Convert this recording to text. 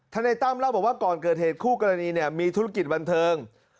นายตั้มเล่าบอกว่าก่อนเกิดเหตุคู่กรณีเนี่ยมีธุรกิจบันเทิง